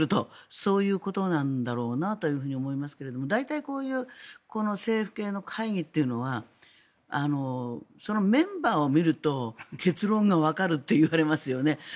そういうことなんだろうなと思いますが大体こういうこの政府系の会議というのはメンバーを見ると結論がわかるといわれますよね。